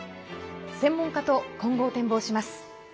専門家と今後を展望します。